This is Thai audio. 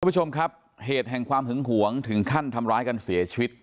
ผู้ชมครับเหตุแห่งความหึงหวงถึงขั้นทำร้ายกันเสียชีวิต